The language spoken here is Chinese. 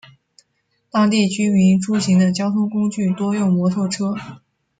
当地居民出行的交通工具多用摩托车。